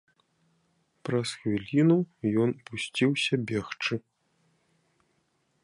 Праз хвіліну ён пусціўся бегчы.